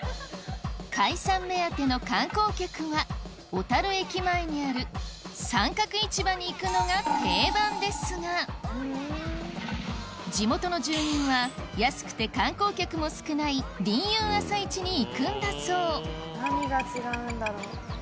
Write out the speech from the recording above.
海産目当ての観光客は小樽駅前にある三角市場に行くのが定番ですが地元の住人は安くて観光客も少ない鱗友朝市に行くんだそう何が違うんだろう？